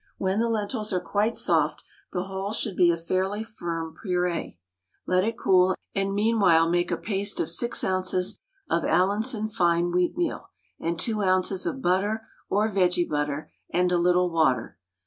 When the lentils are quite soft, the whole should be a fairly firm pureé. Let it cool, and meanwhile make a paste of 6 oz. of Allinson fine wheatmeal and 2 oz. of butter or vege butter and a little water.